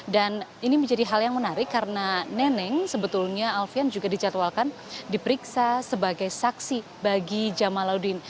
dan ini menjadi hal yang menarik karena neneng sebetulnya alvian juga dijadwalkan diperiksa sebagai saksi bagi jamaludin